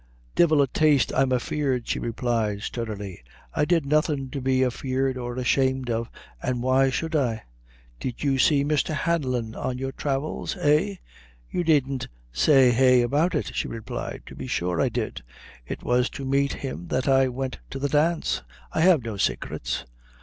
"Devil a taste I'm afeard," she replied, sturdily; "I did nothin' to be afeard or ashamed of, an' why should I?" "Did you see Mr. Hanlon on your travels, eh?" "You needn't say eh about it," she replied, "to be sure I did; it was to meet him that I went to the dance; I have no saicrets."